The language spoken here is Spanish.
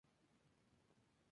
Su familia era campesina.